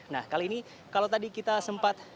nah kali ini kalau tadi kita sempat